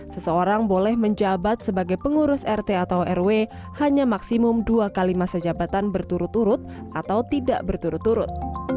seseorang boleh menjabat sebagai pengurus rt atau rw hanya maksimum dua kali masa jabatan berturut turut atau tidak berturut turut